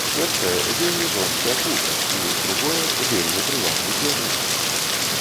Першае, вельмі жорсткая пуга і, другое, вельмі прывабны пернік.